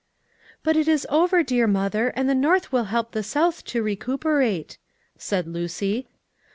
"But it is over, dear mother, and the North will help the South to recuperate," said Lucy.